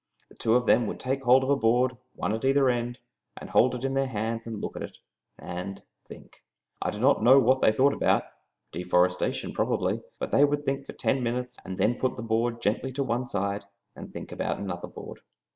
The two of them would take hold of a board, one at either end, and hold it in their hands, and look at it, and think. I do not know what they thought about deforestation, probably but they would think for ten minutes and then put the board gently to one side and think about another board.